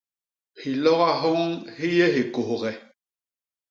Hiloga hyoñ hi yé hikôghe.